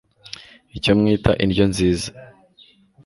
icyo mwita indyo nziza